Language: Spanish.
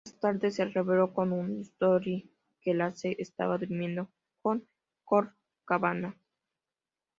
Más tarde se reveló en un storyline que Lacey estaba durmiendo con Colt Cabana.